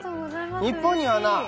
日本にはな